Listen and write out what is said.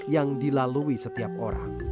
yang dilalui setiap orang